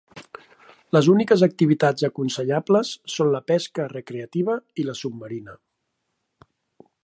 Les úniques activitats aconsellables són la pesca recreativa i la submarina.